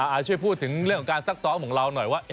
ช่วยพูดถึงเรื่องของการซักซ้อมของเราหน่อยว่า